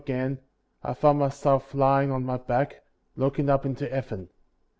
again, I found myself lying on my back, looking up into heaven.